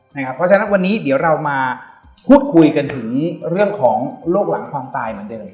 เพราะฉะนั้นวันนี้เดี๋ยวเรามาพูดคุยกันถึงเรื่องของโรคหลังความตายเหมือนเดิม